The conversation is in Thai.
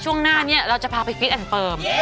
ช่วงหน้านี้เราจะพาไปฟิตแอนดเฟิร์ม